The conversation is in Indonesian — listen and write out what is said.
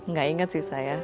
gak inget sih saya